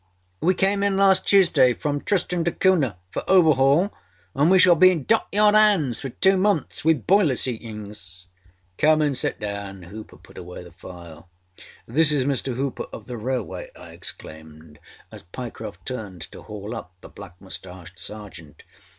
â âWe came in last Tuesdayâfrom Tristan DâAcunhaâfor overhaul, and we shall be in dockyard âands for two months, with boiler seatings.â âCome and sit down,â Hooper put away the file. âThis is Mr. Hooper of the Railway,â I exclaimed, as Pyecroft turned to haul up the black moustached sergeant.